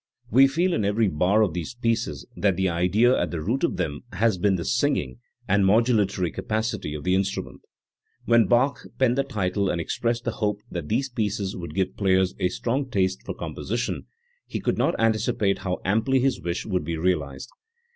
We feel in every bar of these pieces that the idea at the root of them has been the singing and modulatory capacity of the instrument. When Bach penned the title and expressed the hope that these pieces would give players a strong taste for composition, he could not anticipate how amply his wish would be realised.